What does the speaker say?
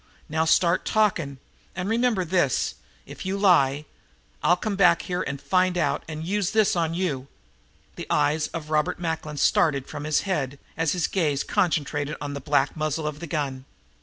Now start talking, and remember this, if you lie, I'll come back here and find out and use this on you." The eyes of Robert Macklin started from his head, as his gaze concentrated on the black muzzle of the gun.